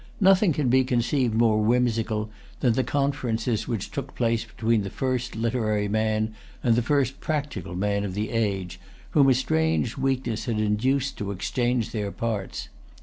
Nothing can be conceived more whimsical than the conferences which took place between the first literary man and the first practical man of the age, whom a strange weakness had induced to exchange their parts.